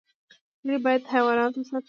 ولي بايد حيوانات وساتو؟